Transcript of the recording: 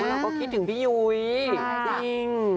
แล้วพวกเราก็คิดถึงพี่ยุวิจริง